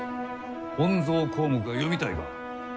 「本草綱目」が読みたいか？